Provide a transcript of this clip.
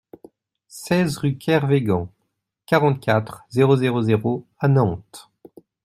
seize rue Kervégan, quarante-quatre, zéro zéro zéro à Nantes